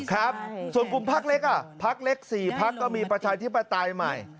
ครับส่วนกลุ่มพักเล็กอ่ะพักเล็ก๔พักก็มีประชาธิปไตยใหม่